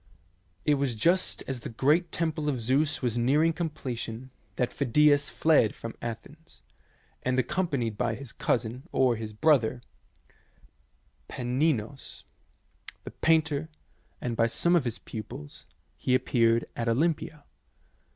It was just as the great temple of Zeus was near ing completion that Phidias fled from Athens, and, accompanied by his cousin, or his brother, Paneinos, the painter, and by some of his pupils, he appeared at Olympia.